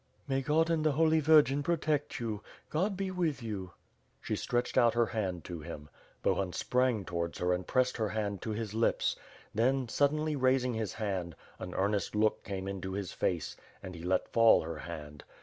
.... "May God and the Holy Virgin protect you. God be with you." She stretched out her hand to him. Bohun sprang towards her and pressed her hand to his lips. Then, suddenly raising his hand, an earnest look came into his face, and he let fall her hand.